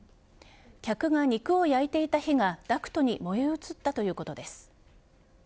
客が肉を焼いていた火がダクトに燃え移ったということです。